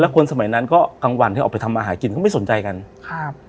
คนสมัยนั้นก็กลางวันที่ออกไปทำอาหารกินเขาไม่สนใจกันครับ